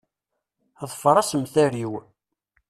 Ḍfeṛ assemter-iw!